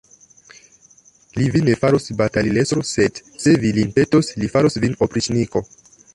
Li vin ne faros batalilestro, sed, se vi lin petos, li faros vin opriĉniko.